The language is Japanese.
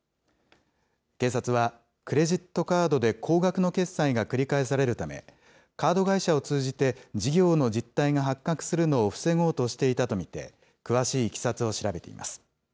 警察は、クレジットカードで高額の決済が繰り返されるため、カード会社を通じて、事業の実態が発覚するのを防ごうとしていたと見て、詳しいいきさつを調べています。